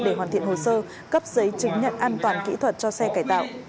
để hoàn thiện hồ sơ cấp giấy chứng nhận an toàn kỹ thuật cho xe cải tạo